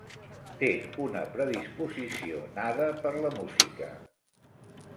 Té una predisposició nada per la música.